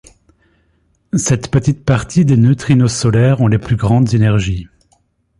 Cette petite partie des neutrinos solaires ont les plus grandes énergies.